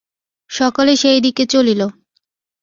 সকলে সেই দিকে চলিল।